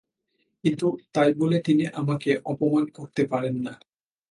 কিন্তু তাই বলে তিনি আমাকে অপমান করতে পারেন না।